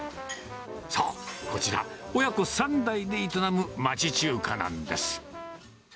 そう、こちら、親子３代で営む町中華なんです。